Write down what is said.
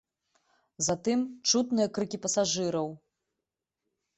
Затым чутныя крыкі пасажыраў.